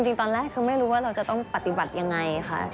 จริงตอนแรกคือไม่รู้ว่าเราจะต้องปฏิบัติยังไงค่ะ